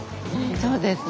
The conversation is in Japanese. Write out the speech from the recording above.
そうですね。